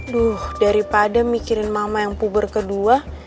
duh daripada mikirin mama yang puber kedua